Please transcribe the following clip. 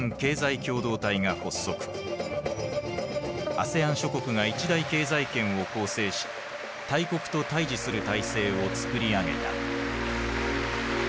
ＡＳＥＡＮ諸国が一大経済圏を構成し大国と対峙する体制をつくり上げた。